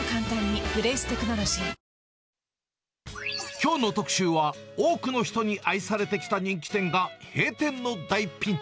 きょうの特集は、多くの人に愛されてきた人気店が閉店の大ピンチ。